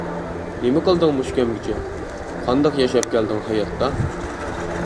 نېمە قىلدىڭ مۇشۇ كەمگىچە، قانداق ياشاپ كەلدىڭ ھاياتتا.